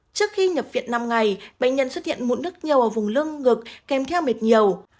trước khi nhập viện năm ngày bệnh nhân xuất hiện mụn nước nhiều ở vùng lưng ngực kèm theo mệt nhiều